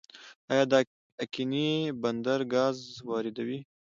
آیا د اقینې بندر ګاز واردوي؟